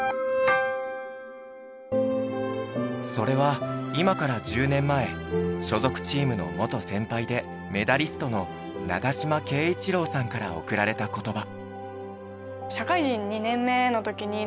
それは今から１０年前所属チームの元先輩でメダリストの長島圭一郎さんから贈られた言葉。